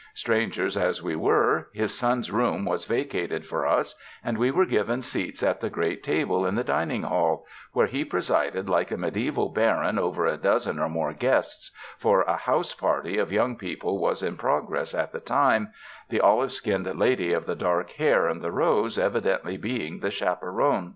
Strangers as we were, his son's room was vacated for us, and we were given seats at the great table in the dining hall; where he presided like a mediaeval baron over a dozen or more guests — for a house party of young people was in progress at the time, the olive skinned lady of the dark hair anc^ the rose evidently being the chaperon.